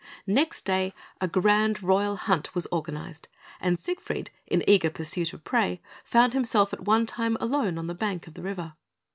Next day, a grand royal hunt was organised, and Siegfried, in eager pursuit of prey, found himself at one time alone on the bank of the river.